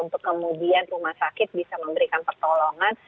untuk kemudian rumah sakit bisa memberikan pertolongan